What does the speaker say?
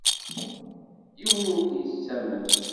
Yiwen ur k-yettamen.